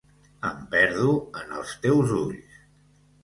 Em perdo en els teus ulls.